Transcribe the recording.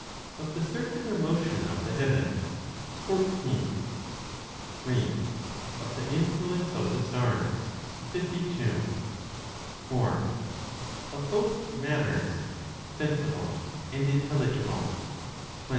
Of the (Circular) Motion (of the Heavens), 14. 3. Of the Influence of the Stars, 52. 4. (Of both Matters) (Sensible and Intelligible), 12.